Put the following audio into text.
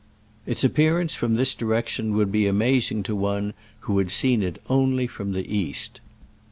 Its ap pearance from this direction would be amazing to one who had seen it only from the east.